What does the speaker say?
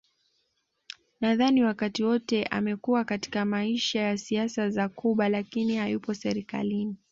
Nadhani wakati wote amekuwa katika maisha ya siasa za Cuba lakini hayupo serikalini